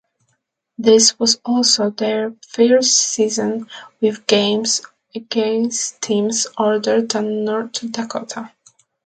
This was also their first season with games against teams other than North Dakota.